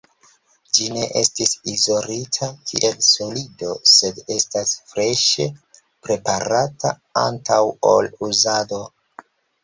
Ĝi ne estis izolita kiel solido, sed estas freŝe preparata antaŭ ol uzado.